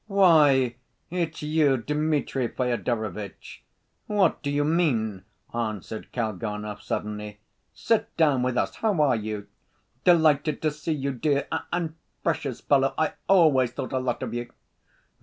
"Why, it's you, Dmitri Fyodorovitch! What do you mean?" answered Kalganov suddenly. "Sit down with us. How are you?" "Delighted to see you, dear ... and precious fellow, I always thought a lot of you."